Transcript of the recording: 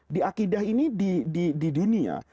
di akidah ini di dunia